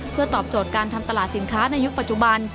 เพื่อตอบโจทย์การทำตลาดสินค้าในยุคปัจจุบัน